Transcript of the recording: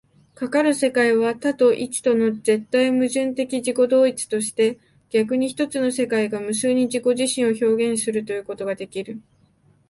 かかる世界は多と一との絶対矛盾的自己同一として、逆に一つの世界が無数に自己自身を表現するということができる。